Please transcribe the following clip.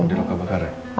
ada luka bakar ya